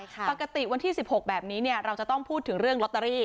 ปกติวันที่๑๖แบบนี้เราจะต้องพูดถึงเรื่องลอตเตอรี่